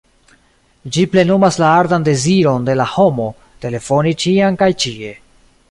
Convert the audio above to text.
Ĝi plenumas la ardan deziron de la homo, telefoni ĉiam kaj ĉie.